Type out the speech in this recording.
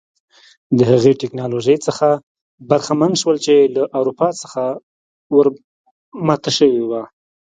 د هغې ټکنالوژۍ څخه برخمن شول چې له اروپا څخه ور ماته شوې وه.